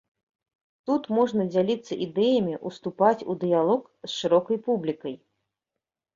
Тут можна дзяліцца ідэямі, ўступаць у дыялог з шырокай публікай.